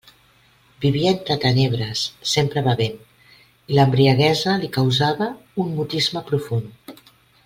Vivia entre tenebres, sempre bevent, i l'embriaguesa li causava un mutisme profund.